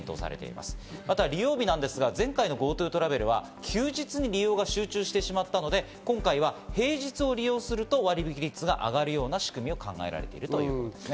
また利用日ですが前回のＧｏＴｏトラベルは休日に利用が集中してしまったので、今回は平日を利用すると割引率が上がるような仕組みを考えられているということですね。